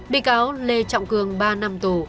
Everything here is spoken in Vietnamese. bị cáo lê trọng cường ba năm tù